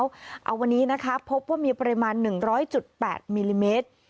วันนี้พบว่ามีปริมาณ๑๐๐๘มิลลิเมตร